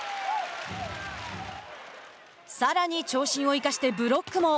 さらに長身を生かしてブロックも。